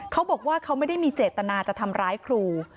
เขาบอกว่าเขาไม่ได้มีเจตนาจะทำร้ายครู